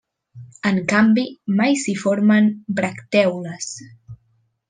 En canvi, mai s'hi formen bractèoles.